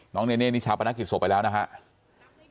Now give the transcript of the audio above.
น้องเน่นิชาปนักศิษย์สวบไปแล้วนะครับ